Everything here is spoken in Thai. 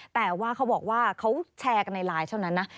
แต่ว่าเขาบอกว่าเขาแชร์กันในไลน์เท่านั้นนะ